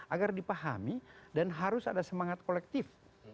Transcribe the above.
agar dipahami dan harus ada semangat kolektif